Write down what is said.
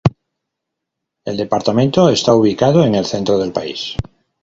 El departamento está ubicado en el centro del país.